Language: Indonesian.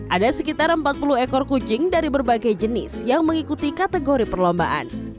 ada sekitar empat puluh ekor kucing dari berbagai jenis yang mengikuti kategori perlombaan